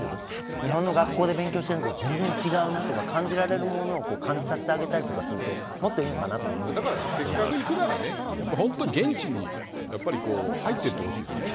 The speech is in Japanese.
日本の学校で勉強してるのと全然違うなと感じられるものを感じさせてあげたりとかするとせっかく行くなら現地に入っていってほしいですよね。